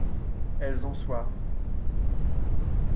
Elles ont soif.